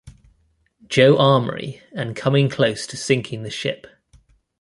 Joe armory and coming close to sinking the ship.